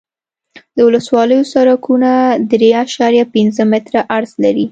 د ولسوالیو سرکونه درې اعشاریه پنځه متره عرض لري